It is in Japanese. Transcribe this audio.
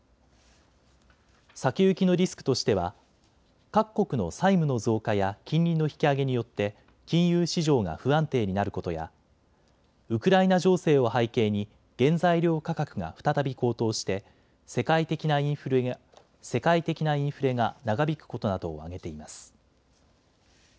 先行きのリスクとしては各国の債務の増加や金利の引き上げによって金融市場が不安定になることやウクライナ情勢を背景に原材料価格が再び高騰して世界的なインフレが長引くことなどを挙げています。